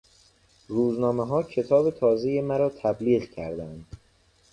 روزنامهها کتاب تازهی مرا تبلیغ کردند.